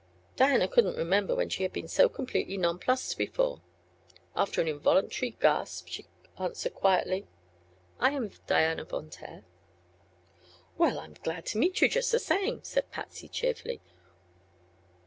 Diana couldn't remember when she had been so completely nonplused before. After an involuntary gasp she answered quietly: "I am Diana Von Taer." "Well, I'm glad to meet you, just the same," said Patsy, cheerfully.